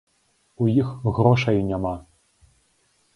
У іх грошай няма!